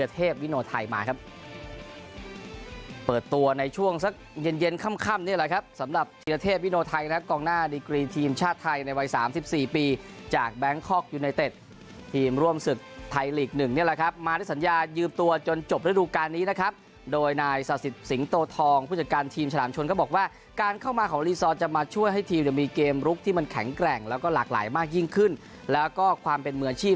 ทีมชาติไทยในวัย๓๔ปีจากแบงค์คอล์กยูไนเต็ดทีมร่วมศึกไทยลีก๑นี่แหละครับมาได้สัญญายืมตัวจนจบฤดูการณ์นี้นะครับโดยนายสาธิตสิงตโตทองผู้จัดการทีมฉลามชนก็บอกว่าการเข้ามาของลีซอร์ทจะมาช่วยให้ทีมมีเกมลุกที่มันแข็งแกร่งแล้วก็หลากหลายมากยิ่งขึ้นแล้วก็ความเป็นมือชีพ